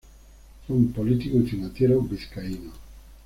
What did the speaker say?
Fue un político y financiero vizcaíno.